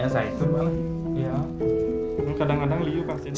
kadang kadang liu pasti